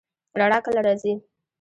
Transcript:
رڼا کله راځي؟